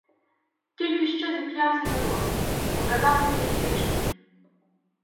Тільки що зіп'явся на ноги — показали мені дівчину.